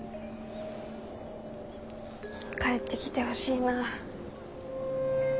帰ってきてほしいなあ。